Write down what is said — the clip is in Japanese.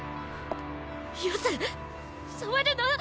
よせ触るな！